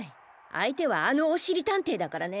あいてはあのおしりたんていだからね。